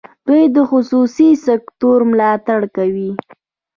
دوی د خصوصي سکټور ملاتړ کوي.